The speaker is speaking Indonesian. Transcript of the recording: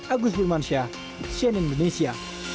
agus wilmansyah sien indonesia